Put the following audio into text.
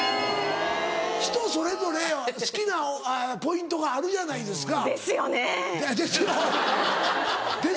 人それぞれ好きなポイントがあるじゃないですか。ですよね。ですよ。ですよ。